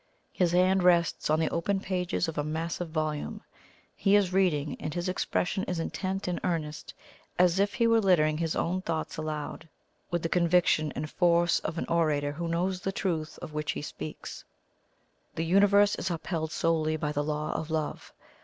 His hand rests on the open pages of a massive volume; he is reading, and his expression is intent and earnest as if he were littering his own thoughts aloud, with the conviction and force of an orator who knows the truth of which he speaks: "The Universe is upheld solely by the Law of Love.